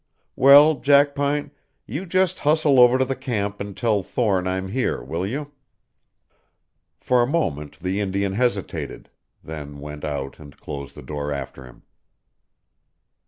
"Well, Jackpine, you just hustle over to the camp and tell Thorne I'm here, will you?" For a moment the Indian hesitated, then went out and closed the door after him.